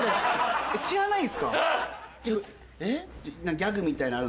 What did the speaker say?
ギャグみたいなのある。